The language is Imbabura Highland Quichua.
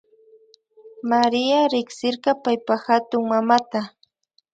Maria riksirka paypa hatunmamata